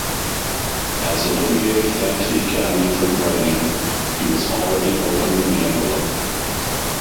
As Olivier thanked the Academy for inviting him, he was already opening the envelope.